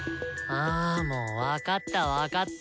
あもう分かった分かった。